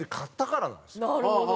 なるほど。